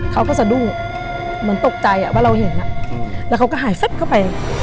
เขาก็สะดุมันตกใจอ่ะว่าเราเห็นอ่ะอืมแล้วเขาก็หายฟับเข้าไป